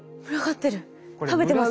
食べてますね。